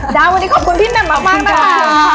ย้าววันนี้ขอบคุณพี่แบบมากนะคะ